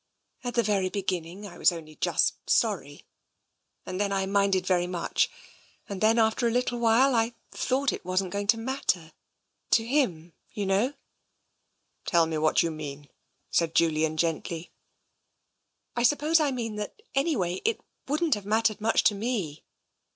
At the very beginning I was only just sorry, and then I minded very much, and then, after a little while, I thought it wasn't going to matter. To him, you know." TENSION 261 " Tell me what you mean," said Julian gently. " I suppose I mean that, anyway, it wouldn't have mattered much to me.